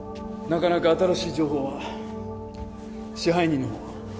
なかなか新しい情報は支配人のほうは？